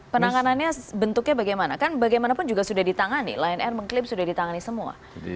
penanganannya bentuknya bagaimana kan bagaimanapun juga sudah ditangani lion air mengklaim sudah ditangani semua